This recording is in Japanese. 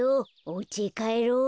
おうちへかえろう。